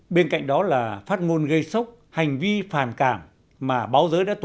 bên cạnh đó là phát ngôn gây sốc hành vi phản cảm mà báo giới đã tối tức